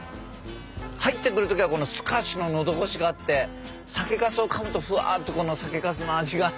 入ってくる時はスカッシュの喉ごしがあって酒かすをかむとふわっとこの酒かすの味が。